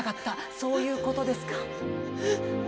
そういうことですか？